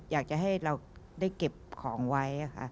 อยากจะให้เราได้เก็บของไว้ค่ะ